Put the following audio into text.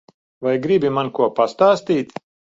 Vai gribi man ko pastāstīt?